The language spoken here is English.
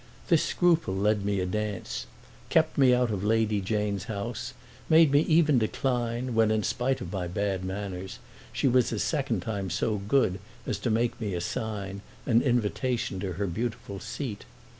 This scruple led me a dance; kept me out of Lady Jane's house, made me even decline, when in spite of my bad manners she was a second time so good as to make me a sign, an invitation to her beautiful seat.